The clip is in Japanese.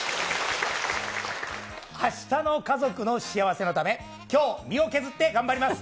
あしたの家族の幸せのため、きょう身を削って頑張ります。